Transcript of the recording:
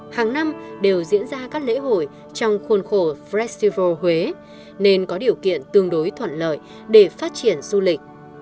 hàng năm đều diễn ra các lễ hội trong khuôn khổ frantival huế nên có điều kiện tương đối thuận lợi để phát triển du lịch